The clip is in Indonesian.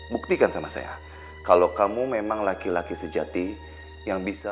buktikan sama saya kalau kamu memang laki laki sejati yang bisa